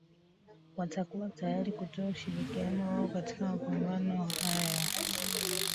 Watakuwa tayari kutoa ushirikiano wao katika mapambano haya